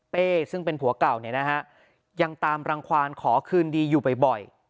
ซึ่งเป็นผัวเก่าเนี่ยนะฮะยังตามรังความขอคืนดีอยู่บ่อย